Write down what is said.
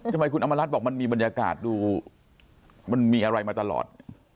ทำไมคุณอำมารัฐบอกมันมีบรรยากาศดูมันมีอะไรมาตลอด